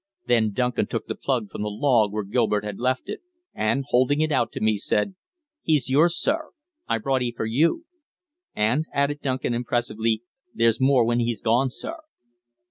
Then Duncan took the plug from the log where Gilbert had left it, and, holding it out to me, said: "He's yours, sir; I brought he for you. An'," added Duncan impressively, "there's more when he's gone, sir."